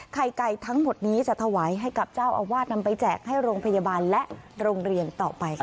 ไข่ไก่ทั้งหมดนี้จะถวายให้กับเจ้าอาวาสนำไปแจกให้โรงพยาบาลและโรงเรียนต่อไปค่ะ